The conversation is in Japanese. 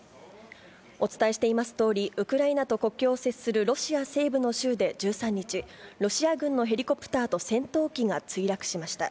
お伝えしていますとおり、ウクライナと国境を接するロシア西部の州で１３日、ロシア軍のヘリコプターと戦闘機が墜落しました。